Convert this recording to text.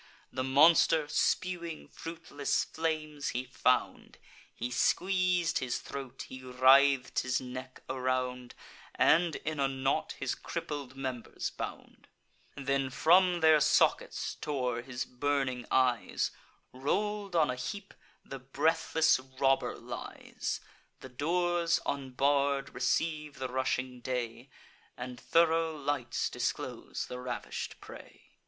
The monster, spewing fruitless flames, he found; He squeez'd his throat; he writh'd his neck around, And in a knot his crippled members bound; Then from their sockets tore his burning eyes: Roll'd on a heap, the breathless robber lies. The doors, unbarr'd, receive the rushing day, And thoro' lights disclose the ravish'd prey.